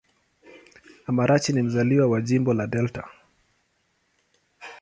Amarachi ni mzaliwa wa Jimbo la Delta.